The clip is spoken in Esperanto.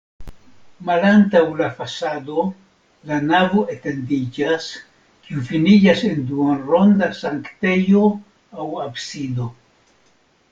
Malantaŭ la fasado la navo etendiĝas, kiu finiĝas en duonronda sanktejo aŭ absido.